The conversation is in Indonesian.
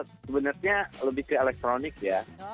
sebenarnya lebih ke elektronik ya